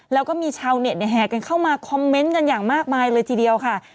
แล้วก็มีชาวเน็ตแห่กันเข้ามาคอมเมนต์กันอย่างมากมายเลยทีเดียวค่ะ